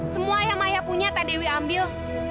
semua yang maya punya tak dewi ambil